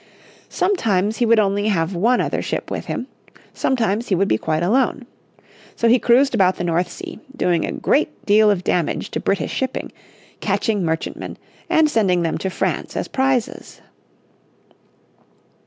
Sometimes he would only have one other ship with him, sometimes he would be quite alone. So he cruised about the North Sea, doing a great deal of damage to British shipping, catching merchantmen, and sending them to France as prizes.